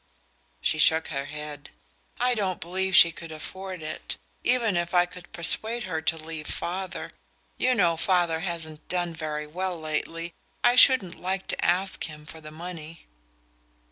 She shook her head. "I don't believe she could afford it, even if I could persuade her to leave father. You know father hasn't done very well lately: I shouldn't like to ask him for the money."